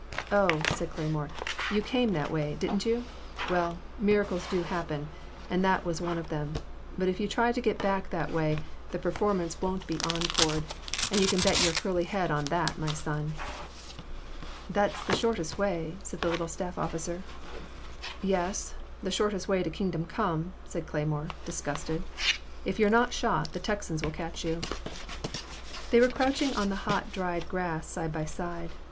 0h, said Cleymore, '*you came that way, did n't you ? Well, miracles happen, and that was one of them, but if you try to get back that way, the performance won*t be encored, and you can bet your curly head on that, my son. "It *s the shortest way, said the little staff officer. Yes, the shortest way to Kingdom come,'* said Cleymore, disgusted; if you *re not shot, the Texans will catch you. They were crouching on the hot dried grass, side by side.